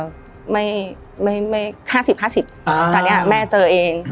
ตอนนี้แม่เจอเอง